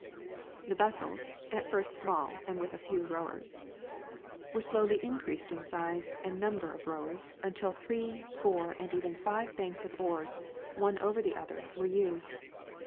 The vessels, at first small and Avith a fcAA^ roAvers, The Evolution of Navigation. 15 were slowly increased in size and number of rowers until three, four and even five banks of oars, one over the other, were used.